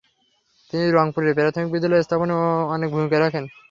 তিনি রংপুরে প্রাথমিক বিদ্যালয় স্থাপনে অনেক ভূমিকা রাখেন।